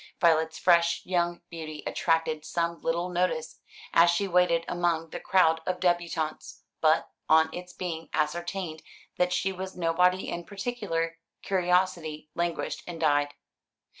Violet's fresh young beauty attracted some little notice as she waited among the crowd of débutantes; but, on its being ascertained that she was nobody in particular, curiosity languished and died.